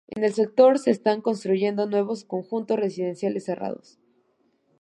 En el sector se están construyendo nuevos conjuntos residenciales cerrados.